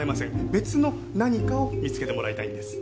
別の何かを見つけてもらいたいんです。